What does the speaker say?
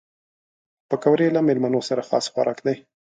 پکورې له مېلمنو سره خاص خوراک دي